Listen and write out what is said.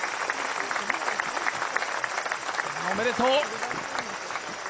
おめでとう！